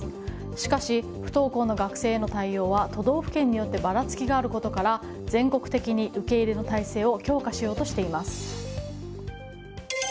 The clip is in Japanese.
しかし、不登校の学生への対応は都道府県によってばらつきがあることから全国的に受け入れの体制を強化しようとしています。